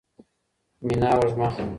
میناوږمه